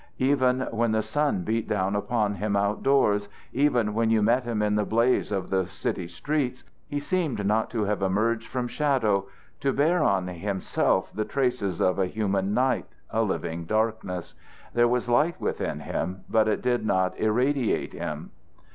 Even when the sun beat down upon him outdoors, even when you met him in the blaze of the city streets, he seemed not to have emerged from shadow, to bear on himself the traces of a human night, a living darkness. There was light within him but it did not irradiate him.